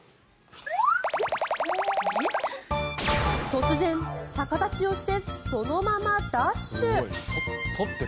突然、逆立ちをしてそのままダッシュ。